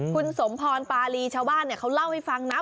คุณสมพรปารีชาวบ้านเขาเล่าให้ฟังนะ